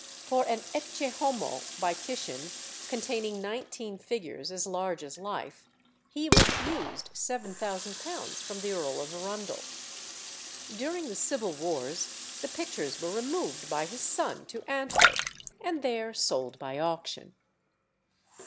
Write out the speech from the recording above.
For an "Ecce Homo" by Titian, containing nineteen figures as large as life, he refused £7000 from the Earl of Arundel. During the Civil Wars the pictures were removed by his son to Antwerp, and there sold by auction.